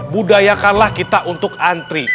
budayakanlah kita untuk antri